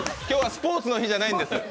今日はスポーツの日じゃないんです。